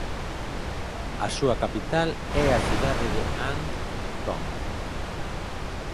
A súa capital é a cidade de Ang Thong.